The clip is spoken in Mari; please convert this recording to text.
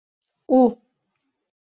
У!